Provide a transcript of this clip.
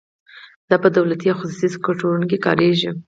دا په دولتي او خصوصي سکتورونو کې کاریږي.